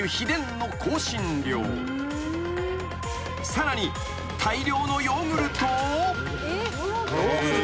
［さらに大量のヨーグルトを］